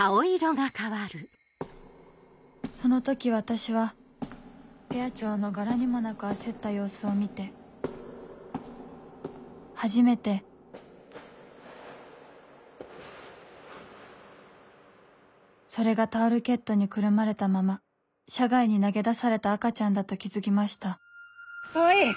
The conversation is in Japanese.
その時私はペア長の柄にもなく焦った様子を見て初めてそれがタオルケットにくるまれたまま車外に投げ出された赤ちゃんだと気付きました川合！